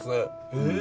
へえ。